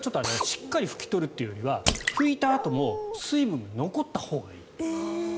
しっかり拭き取るというよりは拭いたあとも水分が残ったほうがいい。